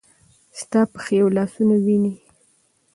ستا پښې او لاسونه وینې ؟